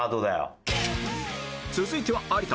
続いては有田